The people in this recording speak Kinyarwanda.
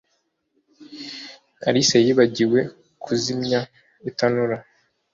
Alice yibagiwe kuzimya itanura